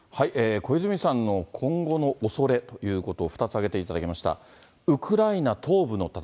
小泉さんの今後のおそれということを２つ挙げていただきました。